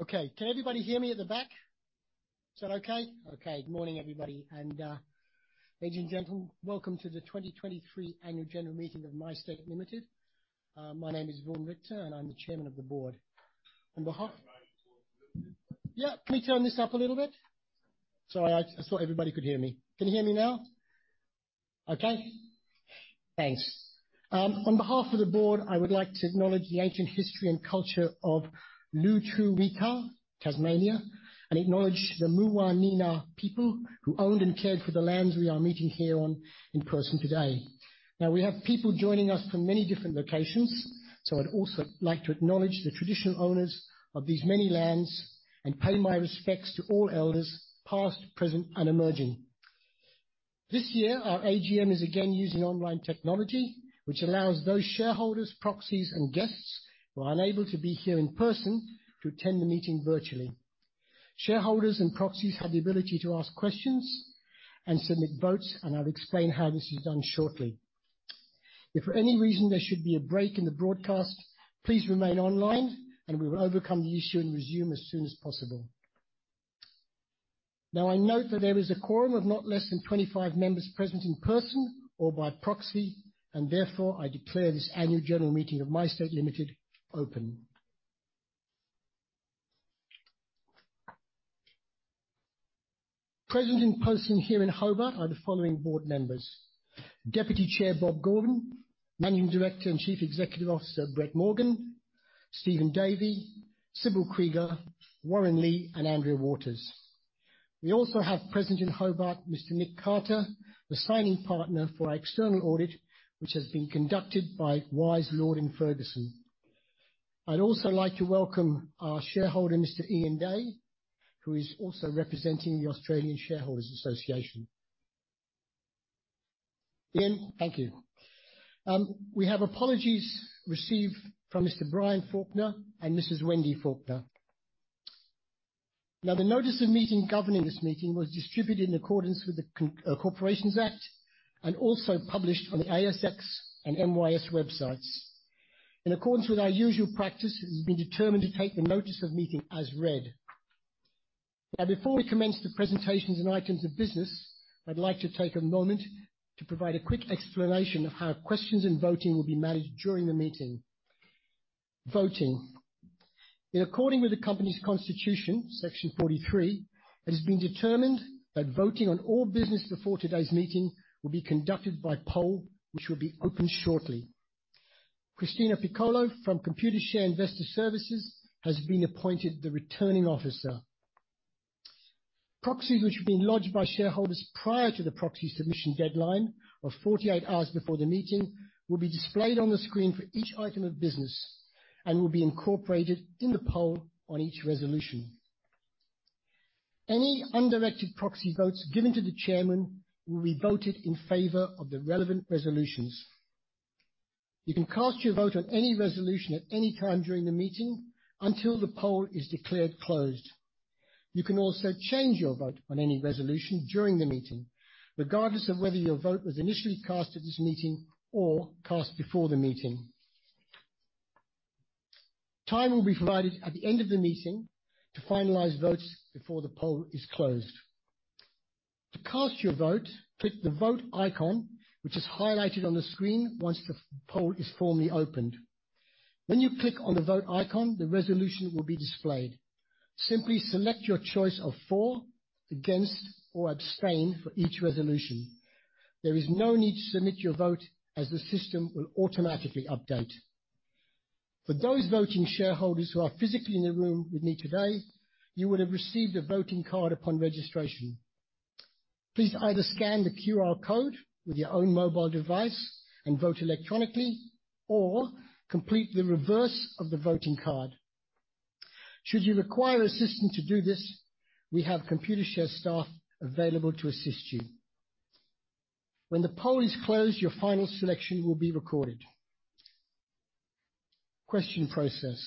Okay, can everybody hear me at the back? Is that okay? Okay, good morning, everybody, and ladies and gentlemen, welcome to the 2023 annual general meeting of MyState Limited. My name is Vaughn Richtor, and I'm the Chairman of the Board. On behalf. Can I ask you to talk a little bit louder? Yeah, can you turn this up a little bit? Sorry, I thought everybody could hear me. Can you hear me now? Okay. Thanks. On behalf of the board, I would like to acknowledge the ancient history and culture of Lutruwita, Tasmania, and acknowledge the Muwinina people who owned and cared for the lands we are meeting here on in person today. Now, we have people joining us from many different locations, so I'd also like to acknowledge the traditional owners of these many lands and pay my respects to all elders, past, present, and emerging. This year, our AGM is again using online technology, which allows those shareholders, proxies, and guests who are unable to be here in person to attend the meeting virtually. Shareholders and proxies have the ability to ask questions and submit votes, and I'll explain how this is done shortly. If for any reason there should be a break in the broadcast, please remain online, and we will overcome the issue and resume as soon as possible. Now, I note that there is a quorum of not less than 25 members present in person or by proxy, and therefore, I declare this annual general meeting of MyState Limited open. Present in person here in Hobart are the following board members: Deputy Chair, Bob Gordon; Managing Director and Chief Executive Officer, Brett Morgan; Stephen Davy, Sibylle Krieger, Warren Lee, and Andrea Waters. We also have present in Hobart, Mr. Nick Carter, the signing partner for our external audit, which has been conducted by Wise Lord & Ferguson. I'd also like to welcome our shareholder, Mr. Ian Day, who is also representing the Australian Shareholders Association. Ian, thank you. We have apologies received from Mr. Brian Faulkner and Mrs. Wendy Faulkner. Now, the notice of meeting governing this meeting was distributed in accordance with the Corporations Act and also published on the ASX and MYS websites. In accordance with our usual practice, it has been determined to take the notice of meeting as read. Now, before we commence the presentations and items of business, I'd like to take a moment to provide a quick explanation of how questions and voting will be managed during the meeting. Voting. In accordance with the company's constitution, Section 43, it has been determined that voting on all business before today's meeting will be conducted by poll, which will be opened shortly. Cristina Piccolo from Computershare Investor Services has been appointed the Returning Officer. Proxies which have been lodged by shareholders prior to the proxy submission deadline of 48 hours before the meeting, will be displayed on the screen for each item of business and will be incorporated in the poll on each resolution. Any undirected proxy votes given to the chairman will be voted in favor of the relevant resolutions. You can cast your vote on any resolution at any time during the meeting until the poll is declared closed. You can also change your vote on any resolution during the meeting, regardless of whether your vote was initially cast at this meeting or cast before the meeting. Time will be provided at the end of the meeting to finalize votes before the poll is closed. To cast your vote, click the Vote icon, which is highlighted on the screen once the poll is formally opened. When you click on the Vote icon, the resolution will be displayed. Simply select your choice of for, against, or abstain for each resolution. There is no need to submit your vote as the system will automatically update. For those voting shareholders who are physically in the room with me today, you would have received a voting card upon registration. Please either scan the QR code with your own mobile device and vote electronically or complete the reverse of the voting card. Should you require assistance to do this, we have Computershare staff available to assist you. When the poll is closed, your final selection will be recorded. Question process.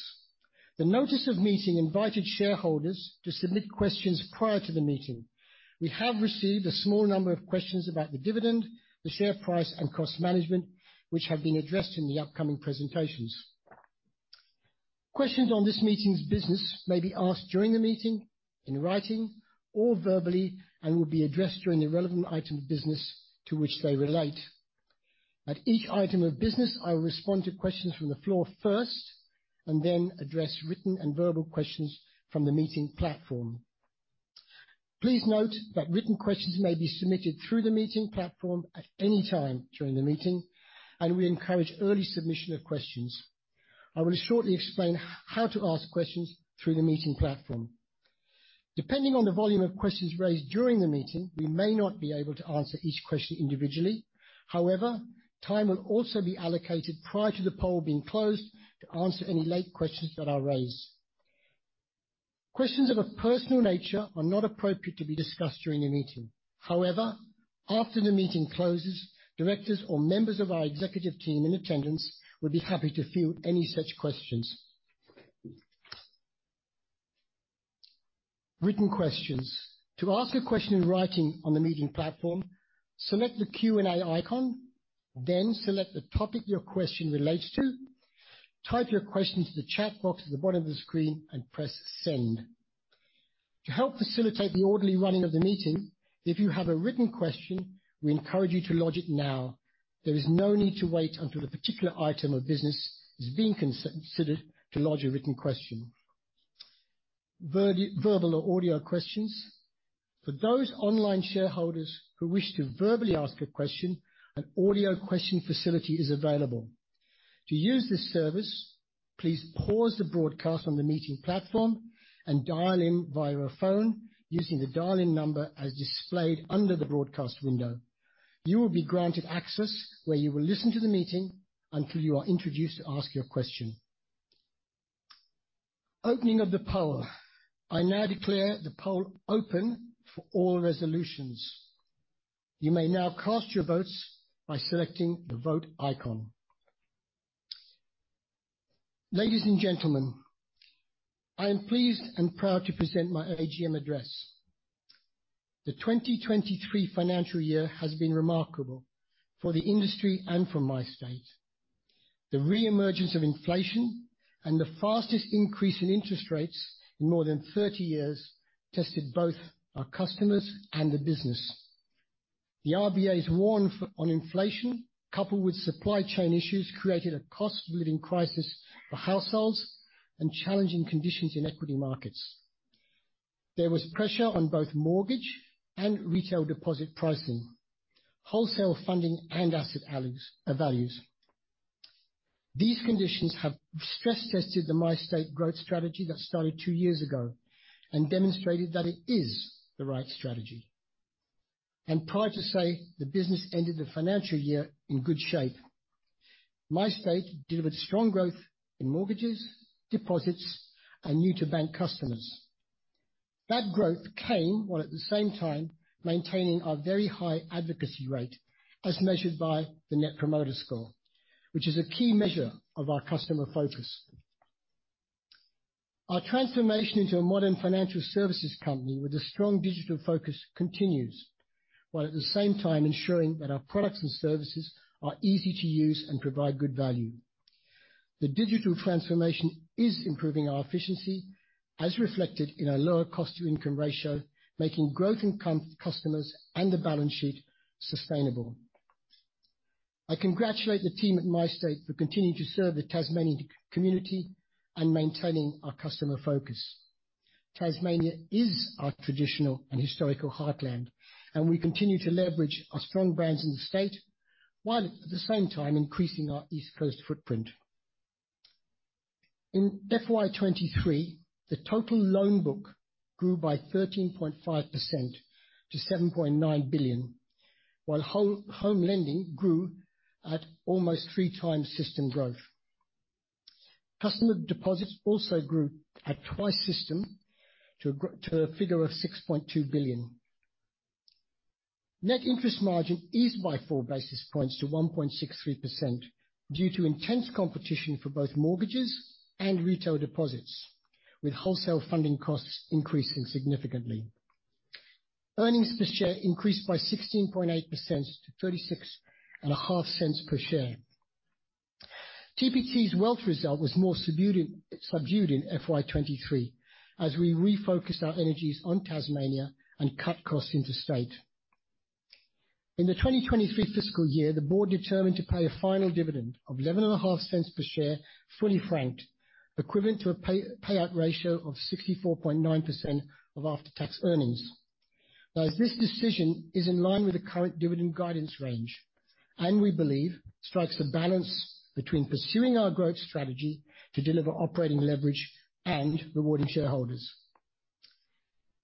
The notice of meeting invited shareholders to submit questions prior to the meeting. We have received a small number of questions about the dividend, the share price, and cost management, which have been addressed in the upcoming presentations. Questions on this meeting's business may be asked during the meeting, in writing or verbally, and will be addressed during the relevant item of business to which they relate. At each item of business, I will respond to questions from the floor first, and then address written and verbal questions from the meeting platform. Please note that written questions may be submitted through the meeting platform at any time during the meeting, and we encourage early submission of questions. I will shortly explain how to ask questions through the meeting platform. Depending on the volume of questions raised during the meeting, we may not be able to answer each question individually. However, time will also be allocated prior to the poll being closed to answer any late questions that are raised. Questions of a personal nature are not appropriate to be discussed during the meeting. However, after the meeting closes, directors or members of our executive team in attendance will be happy to field any such questions. Written questions. To ask a question in writing on the meeting platform, select the Q&A icon, then select the topic your question relates to, type your question into the chat box at the bottom of the screen, and press Send. To help facilitate the orderly running of the meeting, if you have a written question, we encourage you to lodge it now. There is no need to wait until the particular item of business is being considered to lodge a written question. Verbal or audio questions. For those online shareholders who wish to verbally ask a question, an audio question facility is available. To use this service, please pause the broadcast on the meeting platform and dial in via a phone using the dial-in number as displayed under the broadcast window. You will be granted access, where you will listen to the meeting until you are introduced to ask your question. Opening of the poll. I now declare the poll open for all resolutions. You may now cast your votes by selecting the Vote icon. Ladies and gentlemen, I am pleased and proud to present my AGM address. The 2023 financial year has been remarkable for the industry and for MyState. The reemergence of inflation and the fastest increase in interest rates in more than 30 years tested both our customers and the business. The RBA's war on inflation, coupled with supply chain issues, created a cost-of-living crisis for households and challenging conditions in equity markets. There was pressure on both mortgage and retail deposit pricing, wholesale funding, and asset values. These conditions have stress-tested the MyState growth strategy that started two years ago and demonstrated that it is the right strategy. I'm proud to say the business ended the financial year in good shape. MyState delivered strong growth in mortgages, deposits, and new-to-bank customers. That growth came while at the same time maintaining our very high advocacy rate, as measured by the Net Promoter Score, which is a key measure of our customer focus. Our transformation into a modern financial services company with a strong digital focus continues, while at the same time ensuring that our products and services are easy to use and provide good value. The digital transformation is improving our efficiency, as reflected in our lower cost-to-income ratio, making growth in customers and the balance sheet sustainable. I congratulate the team at MyState for continuing to serve the Tasmanian community and maintaining our customer focus. Tasmania is our traditional and historical heartland, and we continue to leverage our strong brands in the state, while at the same time increasing our East Coast footprint. In FY 2023, the total loan book grew by 13.5% to 7.9 billion, while home lending grew at almost three times system growth. Customer deposits also grew at twice system growth to a figure of 6.2 billion. Net interest margin eased by 4 basis points to 1.63% due to intense competition for both mortgages and retail deposits, with wholesale funding costs increasing significantly. Earnings per share increased by 16.8% to 0.365 per share. TPT's wealth result was more subdued in FY 2023, as we refocused our energies on Tasmania and cut costs interstate. In the 2023 fiscal year, the board determined to pay a final dividend of 0.115 per share, fully franked, equivalent to a payout ratio of 64.9% of after-tax earnings. Now, this decision is in line with the current dividend guidance range, and we believe strikes a balance between pursuing our growth strategy to deliver operating leverage and rewarding shareholders.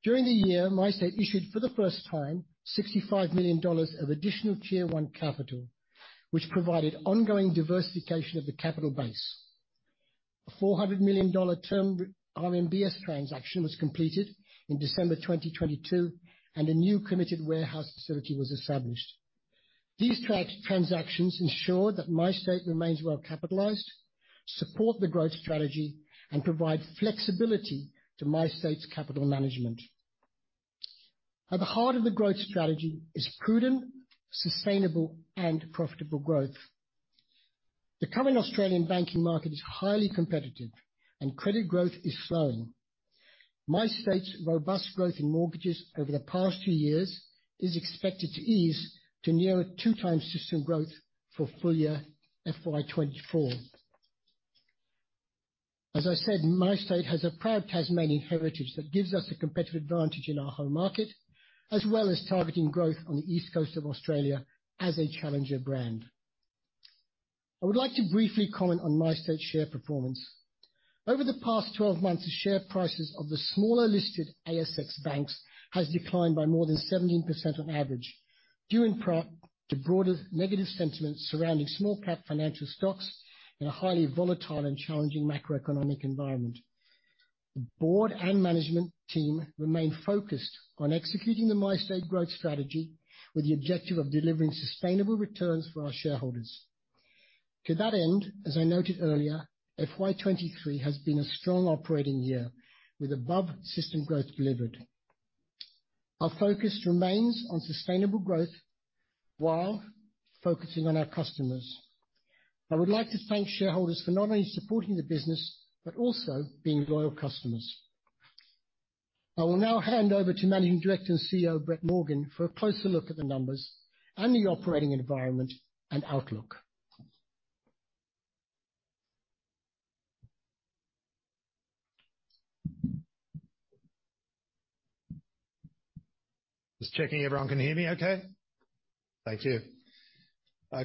During the year, MyState issued for the first time 65 million dollars of additional Tier 1 capital, which provided ongoing diversification of the capital base. An 400 million dollar term RMBS transaction was completed in December 2022, and a new committed warehouse facility was established. These transactions ensure that MyState remains well capitalized, support the growth strategy, and provide flexibility to MyState's capital management. At the heart of the growth strategy is prudent, sustainable, and profitable growth. The current Australian banking market is highly competitive, and credit growth is slowing. MyState's robust growth in mortgages over the past two years is expected to ease to near 2x system growth for full-year FY 2024. As I said, MyState has a proud Tasmanian heritage that gives us a competitive advantage in our home market, as well as targeting growth on the east coast of Australia as a challenger brand. I would like to briefly comment on MyState's share performance. Over the past 12 months, the share prices of the smaller listed ASX banks has declined by more than 17% on average, due in part to broader negative sentiment surrounding small cap financial stocks in a highly volatile and challenging macroeconomic environment. The board and management team remain focused on executing the MyState growth strategy with the objective of delivering sustainable returns for our shareholders. To that end, as I noted earlier, FY 2023 has been a strong operating year, with above-system growth delivered. Our focus remains on sustainable growth while focusing on our customers. I would like to thank shareholders for not only supporting the business, but also being loyal customers. I will now hand over to Managing Director and CEO, Brett Morgan, for a closer look at the numbers and the operating environment and outlook. Just checking everyone can hear me okay? Thank you.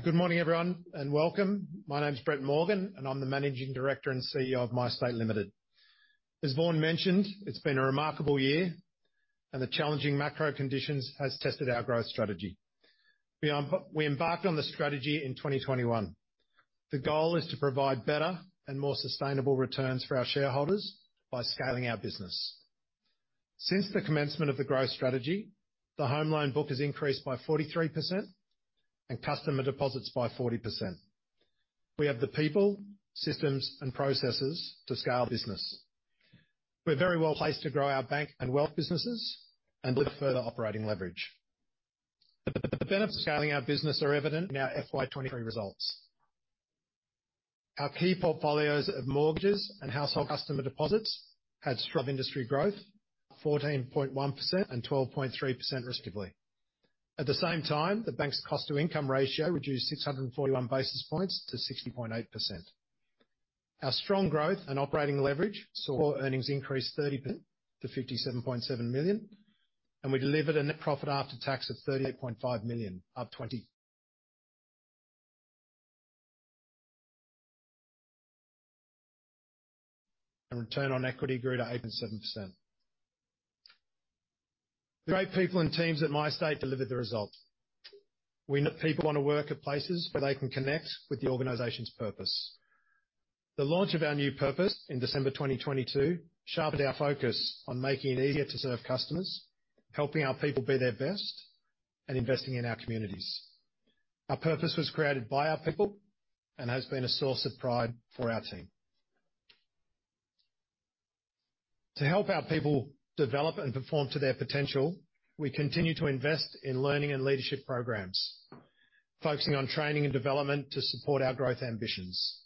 Good morning, everyone, and welcome. My name is Brett Morgan, and I'm the Managing Director and CEO of MyState Limited. As Vaughn mentioned, it's been a remarkable year, and the challenging macro conditions has tested our growth strategy. We, we embarked on the strategy in 2021. The goal is to provide better and more sustainable returns for our shareholders by scaling our business. Since the commencement of the growth strategy, the home loan book has increased by 43% and customer deposits by 40%. We have the people, systems, and processes to scale business. We're very well placed to grow our bank and wealth businesses and build further operating leverage. The benefits of scaling our business are evident in our FY 2023 results. Our key portfolios of mortgages and household customer deposits had strong industry growth, 14.1% and 12.3%, respectively. At the same time, the bank's cost-to-income ratio reduced 641 basis points to 60.8%. Our strong growth and operating leverage saw earnings increase 30% to 57.7 million, and we delivered a net profit after tax of 38.5 million, up 20%. Return on equity grew to 8.7%. Great people and teams at MyState delivered the results. We know people want to work at places where they can connect with the organization's purpose. The launch of our new purpose in December 2022 sharpened our focus on making it easier to serve customers, helping our people be their best, and investing in our communities. Our purpose was created by our people and has been a source of pride for our team. To help our people develop and perform to their potential, we continue to invest in learning and leadership programs, focusing on training and development to support our growth ambitions.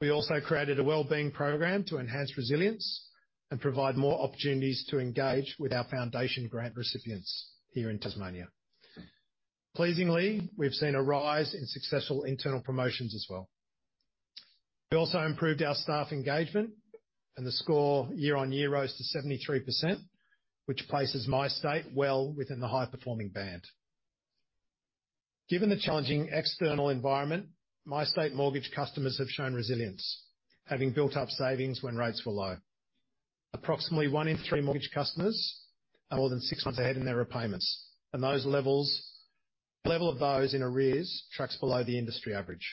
We also created a well-being program to enhance resilience and provide more opportunities to engage with our foundation grant recipients here in Tasmania. Pleasingly, we've seen a rise in successful internal promotions as well. We also improved our staff engagement, and the score year-on-year rose to 73%, which places MyState well within the high-performing band. Given the challenging external environment, MyState mortgage customers have shown resilience, having built up savings when rates were low. Approximately one in three mortgage customers are more than six months ahead in their repayments, and the level of those in arrears tracks below the industry average.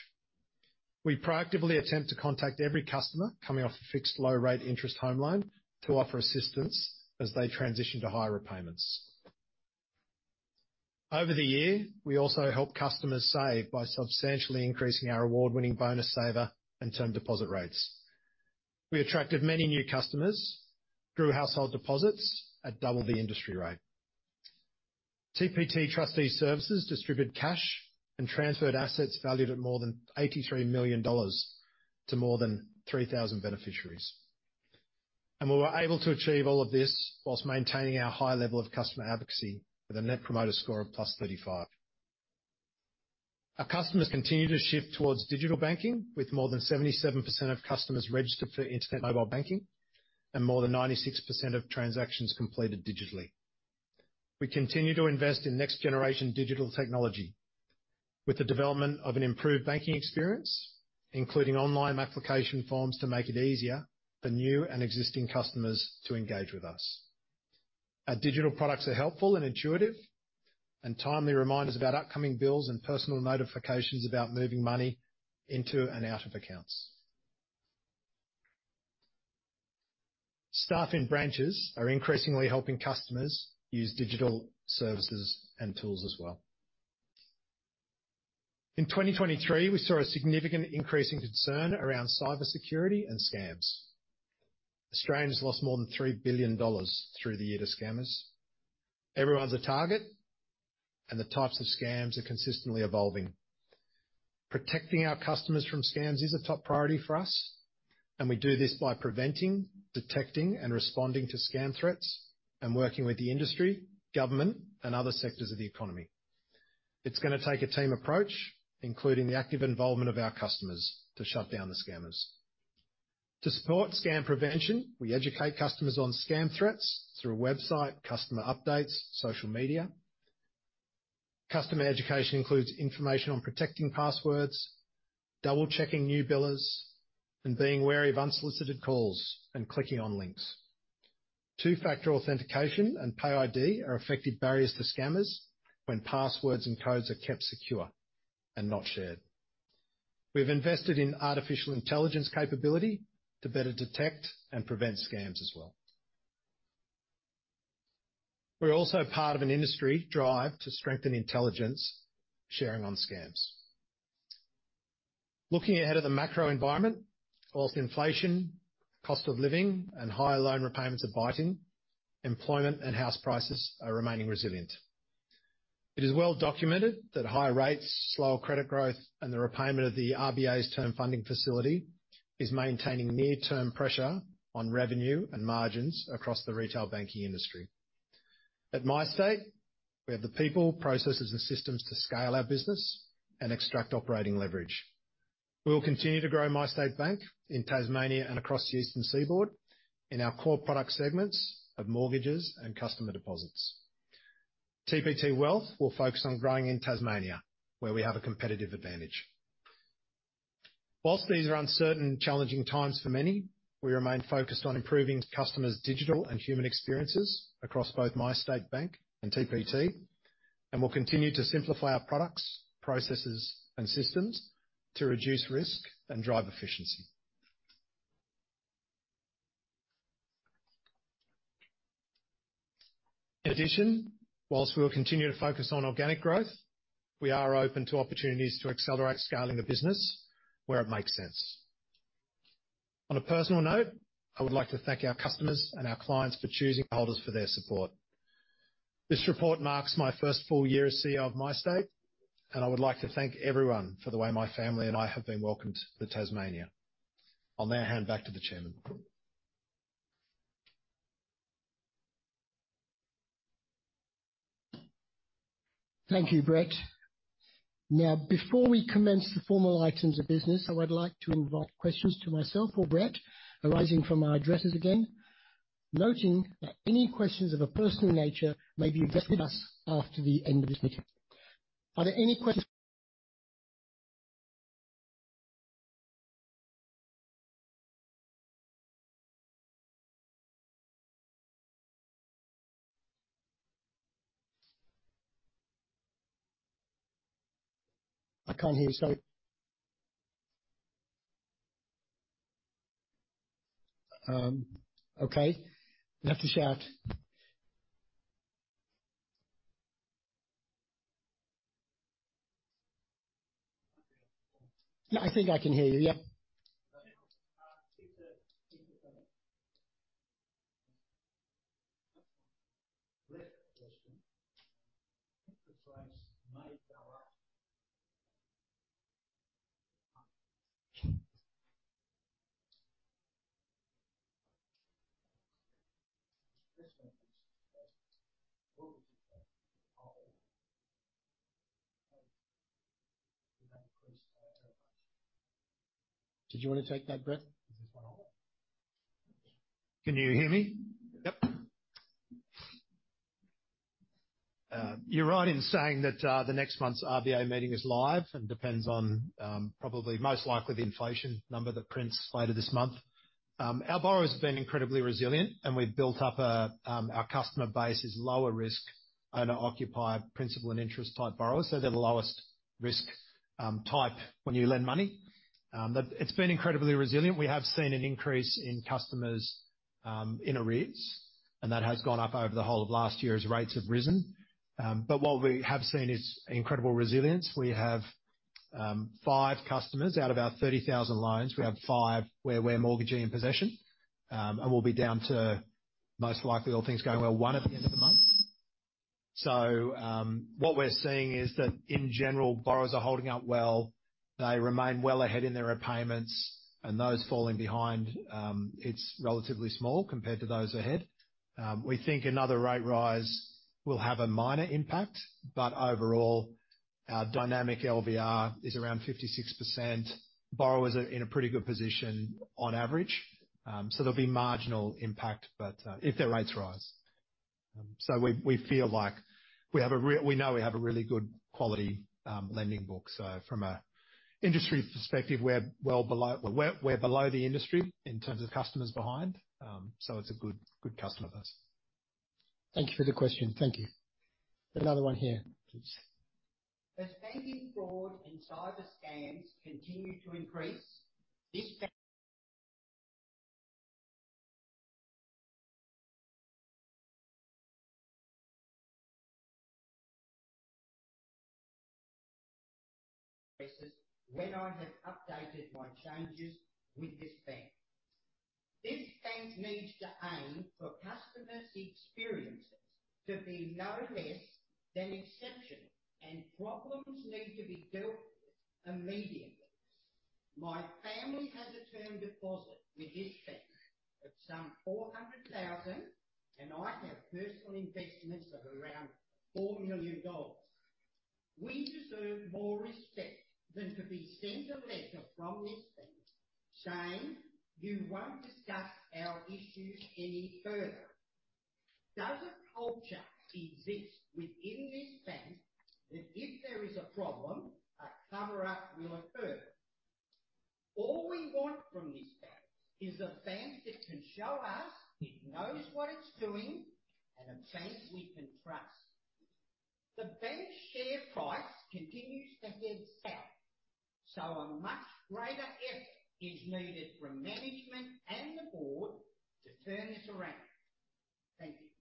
We proactively attempt to contact every customer coming off a fixed low-rate interest home loan to offer assistance as they transition to higher repayments. Over the year, we also helped customers save by substantially increasing our award-winning Bonus Saver and term deposit rates. We attracted many new customers, grew household deposits at double the industry rate. TPT Trustee Services distributed cash and transferred assets valued at more than 83 million dollars to more than 3,000 beneficiaries. We were able to achieve all of this while maintaining our high level of customer advocacy with a Net Promoter Score of +35. Our customers continue to shift towards digital banking, with more than 77% of customers registered for internet mobile banking, and more than 96% of transactions completed digitally. We continue to invest in next-generation digital technology with the development of an improved banking experience, including online application forms, to make it easier for new and existing customers to engage with us. Our digital products are helpful and intuitive, and timely reminders about upcoming bills and personal notifications about moving money into and out of accounts. Staff in branches are increasingly helping customers use digital services and tools as well. In 2023, we saw a significant increase in concern around cybersecurity and scams. Australians lost more than 3 billion dollars through the year to scammers. Everyone's a target, and the types of scams are consistently evolving. Protecting our customers from scams is a top priority for us, and we do this by preventing, detecting, and responding to scam threats and working with the industry, government, and other sectors of the economy. It's going to take a team approach, including the active involvement of our customers, to shut down the scammers. To support scam prevention, we educate customers on scam threats through our website, customer updates, social media. Customer education includes information on protecting passwords, double-checking new billers, and being wary of unsolicited calls and clicking on links. Two-factor authentication and PayID are effective barriers to scammers when passwords and codes are kept secure and not shared. We've invested in artificial intelligence capability to better detect and prevent scams as well. We're also part of an industry drive to strengthen intelligence sharing on scams. Looking ahead of the macro environment, whilst inflation, cost of living, and higher loan repayments are biting, employment and house prices are remaining resilient. It is well documented that higher rates, slower credit growth, and the repayment of the RBA's term funding facility is maintaining near-term pressure on revenue and margins across the retail banking industry. At MyState, we have the people, processes, and systems to scale our business and extract operating leverage. We will continue to grow MyState Bank in Tasmania and across the Eastern Seaboard in our core product segments of mortgages and customer deposits. TPT Wealth will focus on growing in Tasmania, where we have a competitive advantage. While these are uncertain and challenging times for many, we remain focused on improving customers' digital and human experiences across both MyState Bank and TPT, and we'll continue to simplify our products, processes, and systems to reduce risk and drive efficiency. In addition, while we'll continue to focus on organic growth, we are open to opportunities to accelerate scaling the business where it makes sense. On a personal note, I would like to thank our customers and our clients for choosing us, for their support. This report marks my first full year as CEO of MyState, and I would like to thank everyone for the way my family and I have been welcomed to Tasmania. I'll now hand back to the chairman. Thank you, Brett. Now, before we commence the formal items of business, I would like to invite questions to myself or Brett arising from our addresses again, noting that any questions of a personal nature may be directed to us after the end of this meeting. Are there any questions? I can't hear you, sorry. Okay, you'll have to shout. I think I can hear you, yeah. Did you want to take that, Brett? Can you hear me? Yep. You're right in saying that, the next month's RBA meeting is live and depends on, probably most likely, the inflation number that prints later this month. Our borrowers have been incredibly resilient, and we've built up a-- our customer base is lower risk, owner-occupied, principal and interest type borrowers, so they're the lowest risk, type when you lend money. But it's been incredibly resilient. We have seen an increase in customers, in arrears, and that has gone up over the whole of last year as rates have risen. But what we have seen is incredible resilience. We have, five customers out of our 30,000 loans, we have five where we're mortgagee in possession. And we'll be down to, most likely, all things going well, one at the end of the month. So, what we're seeing is that in general, borrowers are holding up well. They remain well ahead in their repayments, and those falling behind, it's relatively small compared to those ahead. We think another rate rise will have a minor impact, but overall, our Dynamic LVR is around 56%. Borrowers are in a pretty good position on average, so there'll be marginal impact, but if their rates rise. So we feel like we know we have a really good quality lending book. So from an industry perspective, we're well below... We're below the industry in terms of customers behind. So it's a good, good customer base. Thank you for the question. Thank you. Another one here, please. As banking fraud and cyber scams continue to increase. When I have updated my changes with this bank. This bank needs to aim for customers' experiences to be no less than exceptional, and problems need to be dealt with immediately. My family has a term deposit with this bank of some 400,000, and I have personal investments of around 4 million dollars. We deserve more respect than to be sent a letter from this bank saying, "You won't discuss our issues any further." Does a culture exist within this bank, that if there is a problem, a cover-up will occur? All we want from this bank is a bank that can show us it knows what it's doing, and a bank we can trust. The bank's share price continues to head south, so a much greater effort is needed from management and the board to turn this around. Thank you.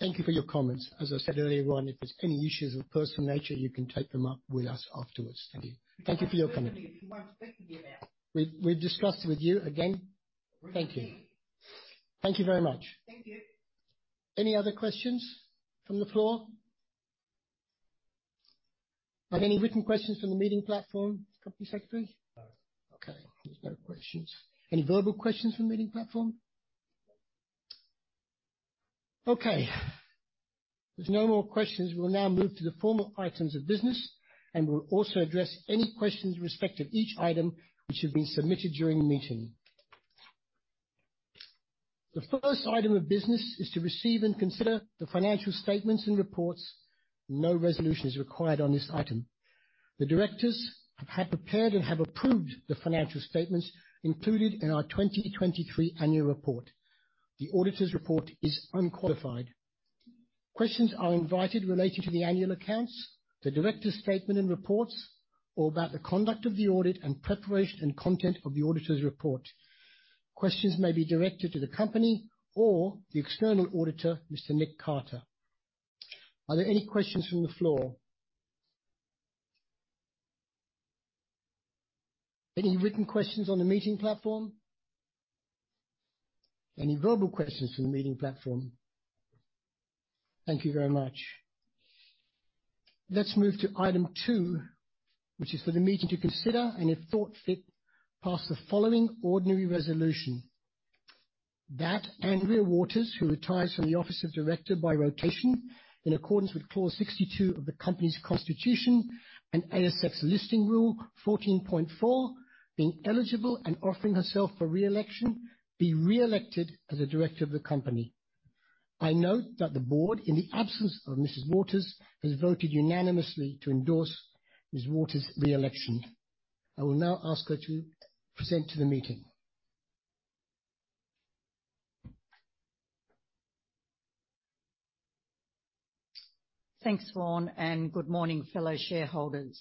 Thank you for your comments. As I said earlier, Ron, if there's any issues of a personal nature, you can take them up with us afterwards. Thank you. Thank you for your comment. You won't speak to me about it. We've discussed it with you, again. We have. Thank you. Thank you very much. Thank you. Any other questions from the floor? Are there any written questions from the meeting platform, Company Secretary? No. Okay, there's no questions. Any verbal questions from the meeting platform? Okay, if there's no more questions, we'll now move to the formal items of business, and we'll also address any questions in respect of each item which have been submitted during the meeting. The first item of business is to receive and consider the financial statements and reports. No resolution is required on this item. The directors have prepared and have approved the financial statements included in our 2023 annual report. The auditor's report is unqualified. Questions are invited relating to the annual accounts, the directors' statement and reports, or about the conduct of the audit and preparation and content of the auditor's report. Questions may be directed to the company or the external auditor, Mr. Nick Carter. Are there any questions from the floor? Any written questions on the meeting platform? Any verbal questions from the meeting platform? Thank you very much. Let's move to item 2, which is for the meeting to consider, and if thought fit, pass the following ordinary resolution: That Andrea Waters, who retires from the office of director by rotation, in accordance with Clause 62 of the Company's Constitution and ASX Listing Rule 14.4, being eligible and offering herself for re-election, be re-elected as a director of the company. I note that the board, in the absence of Mrs. Waters, has voted unanimously to endorse Ms. Waters' re-election. I will now ask her to present to the meeting. Thanks, Vaughn, and good morning, fellow shareholders.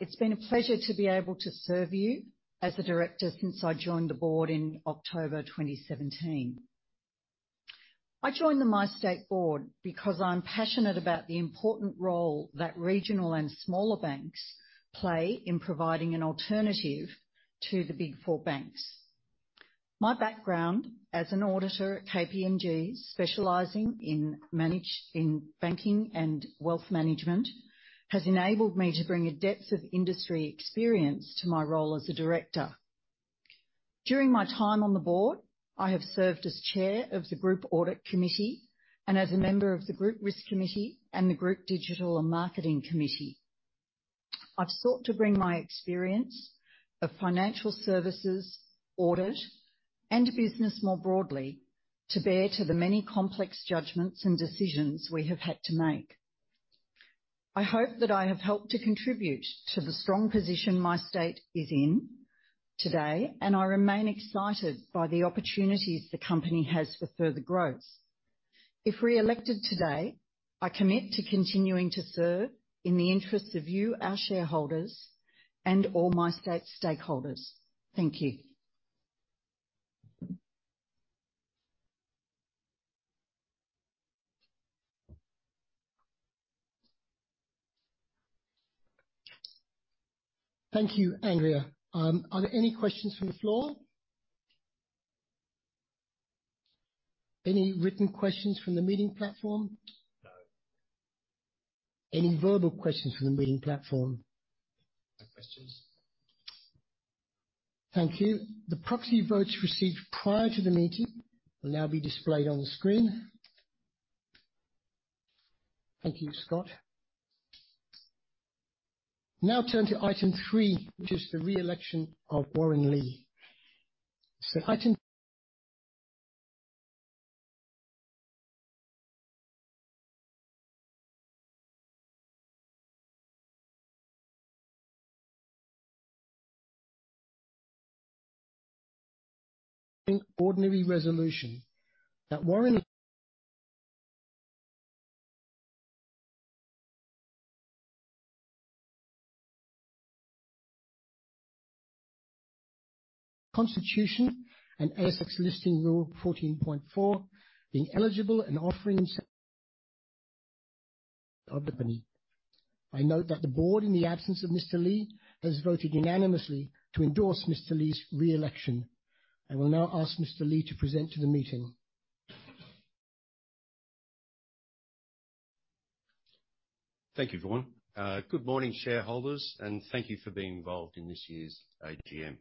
It's been a pleasure to be able to serve you as a director since I joined the board in October 2017. I joined the MyState board because I'm passionate about the important role that regional and smaller banks play in providing an alternative to the Big 4 banks. My background as an auditor at KPMG, specializing in banking and wealth management, has enabled me to bring a depth of industry experience to my role as a director. During my time on the board, I have served as chair of the Group Audit Committee and as a member of the Group Risk Committee and the Group Digital and Marketing Committee. I've sought to bring my experience of financial services, audit, and business more broadly to bear to the many complex judgments and decisions we have had to make. I hope that I have helped to contribute to the strong position MyState is in today, and I remain excited by the opportunities the company has for further growth. If re-elected today, I commit to continuing to serve in the interests of you, our shareholders, and all MyState stakeholders. Thank you. Thank you, Andrea. Are there any questions from the floor? Any written questions from the meeting platform? No. Any verbal questions from the meeting platform? No questions. Thank you. The proxy votes received prior to the meeting will now be displayed on the screen. Thank you, Scott. Now turn to item three, which is the re-election of Warren Lee. Ordinary resolution that Warren Constitution and ASX Listing Rule 14.4, being eligible and offering himself of the company. I note that the board, in the absence of Mr. Lee, has voted unanimously to endorse Mr. Lee's re-election. I will now ask Mr. Lee to present to the meeting. Thank you, Vaughn. Good morning, shareholders, and thank you for being involved in this year's AGM.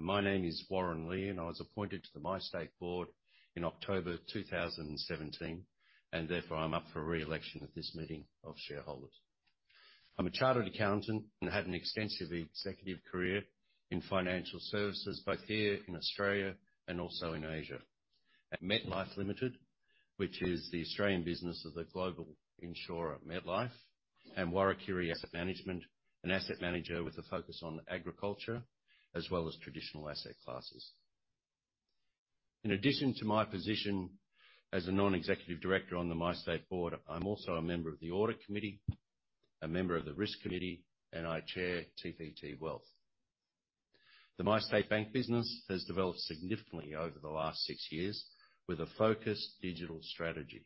My name is Warren Lee, and I was appointed to the MyState board in October 2017, and therefore I'm up for re-election at this meeting of shareholders. I'm a chartered accountant and had an extensive executive career in financial services, both here in Australia and also in Asia. At MetLife Limited, which is the Australian business of the global insurer, MetLife, and Warrakirri Asset Management, an asset manager with a focus on agriculture as well as traditional asset classes. In addition to my position as a non-executive director on the MyState board, I'm also a member of the audit committee, a member of the risk committee, and I chair TPT Wealth. The MyState Bank business has developed significantly over the last six years with a focused digital strategy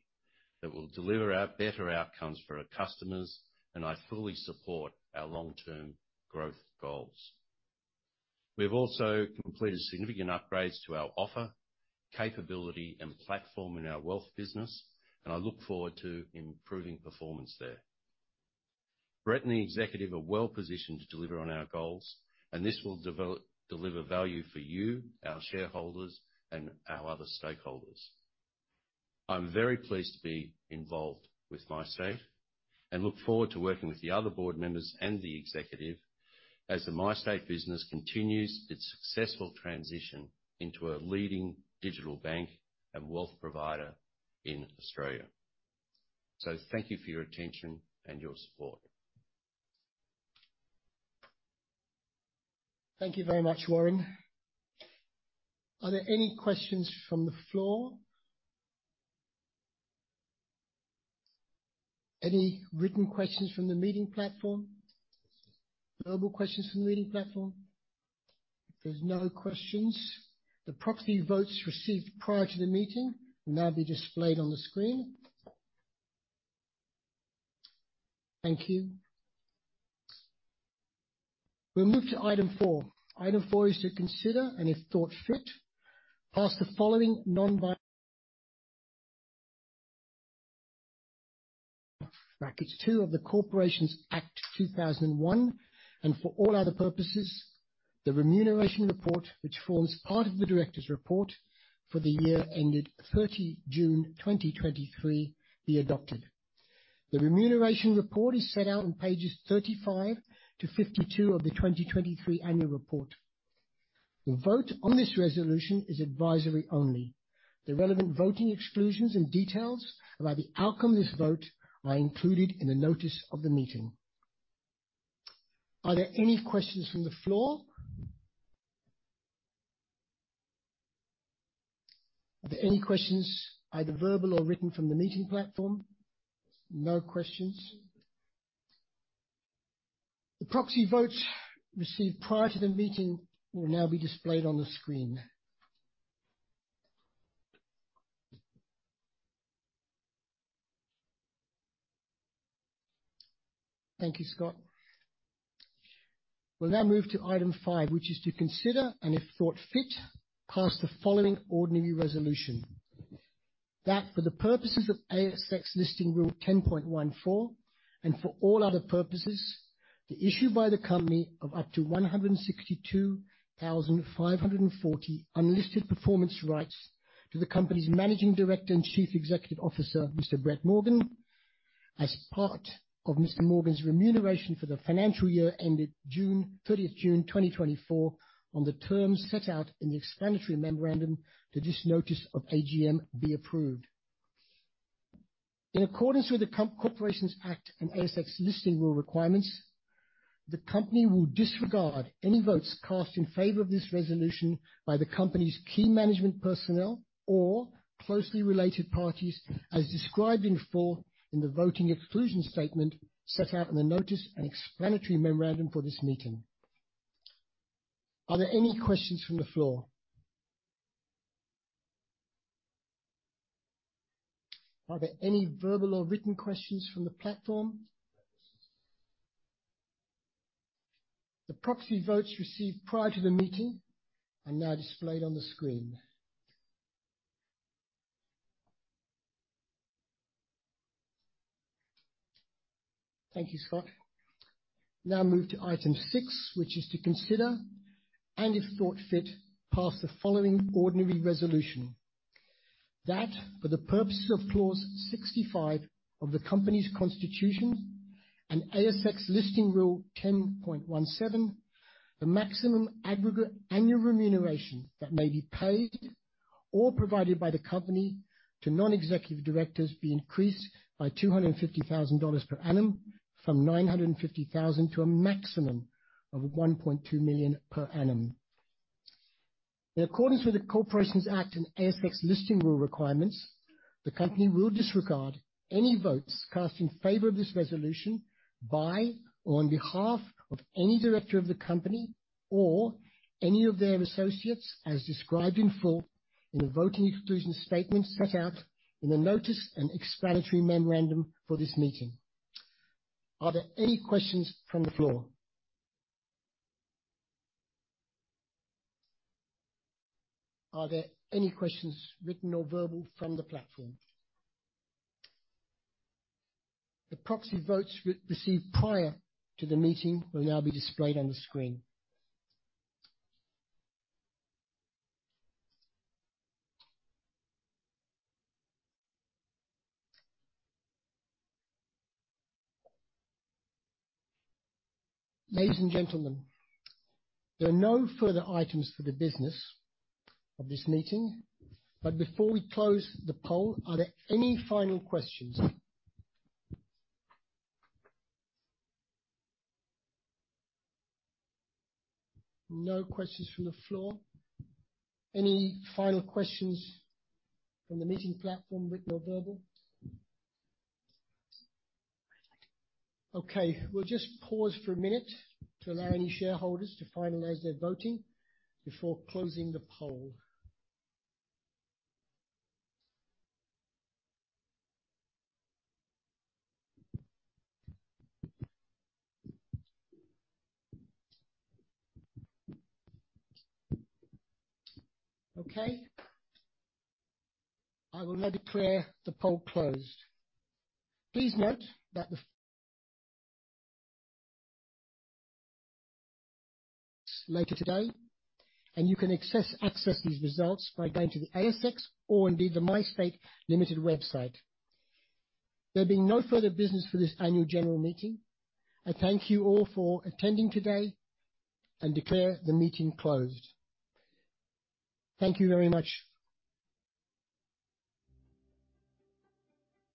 that will deliver better outcomes for our customers, and I fully support our long-term growth goals. We've also completed significant upgrades to our offer, capability, and platform in our wealth business, and I look forward to improving performance there. Brett and the executive are well-positioned to deliver on our goals, and this will deliver value for you, our shareholders, and our other stakeholders. I'm very pleased to be involved with MyState, and look forward to working with the other board members and the executive as the MyState business continues its successful transition into a leading digital bank and wealth provider in Australia. So thank you for your attention and your support. Thank you very much, Warren. Are there any questions from the floor? Any written questions from the meeting platform? Verbal questions from the meeting platform? If there's no questions, the proxy votes received prior to the meeting will now be displayed on the screen. Thank you. We'll move to item four. Item four is to consider, and if thought fit, pass the following 250R(2) of the Corporations Act 2001, and for all other purposes, the remuneration report, which forms part of the directors' report for the year ended 30 June 2023, be adopted. The remuneration report is set out on pages 35-52 of the 2023 annual report. The vote on this resolution is advisory only. The relevant voting exclusions and details about the outcome of this vote are included in the notice of the meeting. Are there any questions from the floor? Are there any questions, either verbal or written, from the meeting platform? No questions. The proxy votes received prior to the meeting will now be displayed on the screen. Thank you, Scott. We'll now move to item five, which is to consider, and if thought fit, pass the following ordinary resolution. That for the purposes of ASX Listing Rule 10.14, and for all other purposes, the issue by the company of up to 162,540 unlisted performance rights to the company's Managing Director and Chief Executive Officer, Mr. Brett Morgan, as part of Mr. Morgan's remuneration for the financial year ended 30 June 2024, on the terms set out in the explanatory memorandum to this notice of AGM, be approved. In accordance with the Corporations Act and ASX listing rule requirements, the company will disregard any votes cast in favor of this resolution by the company's key management personnel or closely related parties, as described in full in the voting exclusion statement set out in the notice and explanatory memorandum for this meeting. Are there any questions from the floor? Are there any verbal or written questions from the platform? The proxy votes received prior to the meeting are now displayed on the screen. Thank you, Scott. Now move to item six, which is to consider, and if thought fit, pass the following ordinary resolution. That for the purposes of Clause 65 of the company's constitution and ASX Listing Rule 10.17, the maximum aggregate annual remuneration that may be paid or provided by the company to non-executive directors, be increased by 250,000 dollars per annum, from 950,000 to a maximum of 1.2 million per annum. In accordance with the Corporations Act and ASX Listing Rule requirements, the company will disregard any votes cast in favor of this resolution by or on behalf of any director of the company or any of their associates, as described in full in the voting exclusion statement set out in the notice and explanatory memorandum for this meeting. Are there any questions from the floor? Are there any questions, written or verbal, from the platform? The proxy votes received prior to the meeting will now be displayed on the screen. Ladies and gentlemen, there are no further items for the business of this meeting, but before we close the poll, are there any final questions? No questions from the floor. Any final questions from the meeting platform, written or verbal? Okay, we'll just pause for a minute to allow any shareholders to finalize their voting before closing the poll. Okay. I will now declare the poll closed. Please note that the results later today, and you can access these results by going to the ASX or indeed, the MyState Limited website. There being no further business for this annual general meeting, I thank you all for attending today and declare the meeting closed. Thank you very much.